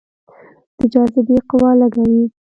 د جاذبې قوه لږه وي.